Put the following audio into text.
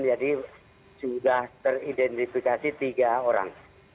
jadi sudah teridentifikasi tiga orang